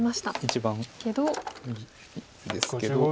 一番いいんですけど。